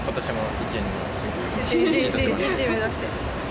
１位を目指して。